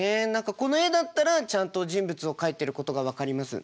この絵だったらちゃんと人物を描いてることが分かります。